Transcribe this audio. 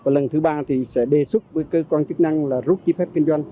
lần thứ ba thì sẽ đề xuất với cơ quan chức năng rút giấy phép kinh doanh